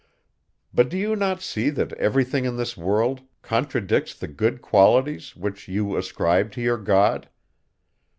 But do you not see that every thing in this world contradicts the good qualities, which you ascribe to your God?